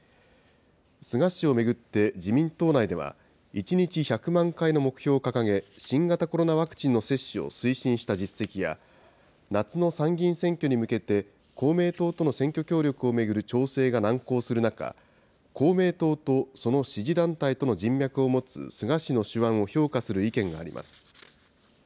菅氏を巡って自民党内では、１日１００万回の目標を掲げ、新型コロナワクチンの接種を推進した実績や、夏の参議院選挙に向けて公明党との選挙協力を巡る調整が難航する中、公明党とその支持団体との人脈を持つ菅氏の手腕を評価する意見があります。